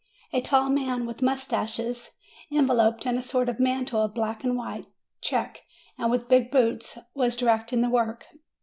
A tall man with moustaches, enveloped in a sort of mantle of black and white check, and with big boots, was directing the work.